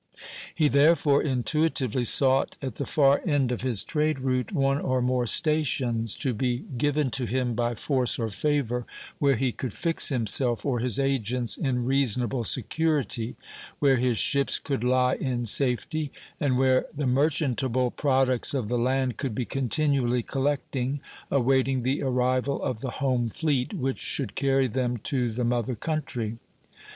He therefore intuitively sought at the far end of his trade route one or more stations, to be given to him by force or favor, where he could fix himself or his agents in reasonable security, where his ships could lie in safety, and where the merchantable products of the land could be continually collecting, awaiting the arrival of the home fleet, which should carry them to the mother country.